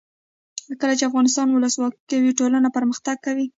کله چې افغانستان کې ولسواکي وي ټولنه پرمختګ کوي.